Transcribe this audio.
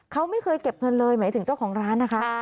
เขาไม่เคยเก็บเงินเลยหมายถึงเจ้าของร้านนะคะ